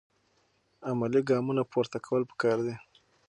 عملي ګامونه پورته کول پکار دي.